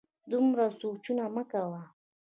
دومره سوچونه مه کوه